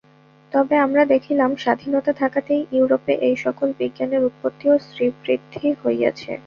তবে আমরা দেখিলাম, স্বাধীনতা থাকাতেই ইউরোপে এই-সকল বিজ্ঞানের উৎপত্তি ও শ্রীবৃদ্ধি হইয়াছে।